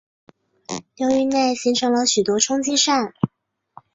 流域内形成了许多冲积扇。